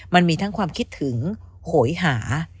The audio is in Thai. มันมีทั้งความคิดถึงโหยหา